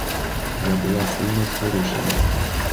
Я була сильно зворушена.